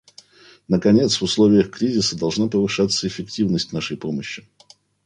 Наконец, в условиях кризиса должна повышаться эффективность нашей помощи.